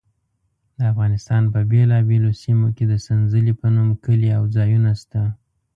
د افغانستان په بېلابېلو سیمو کې د سنځلې په نوم کلي او ځایونه شته.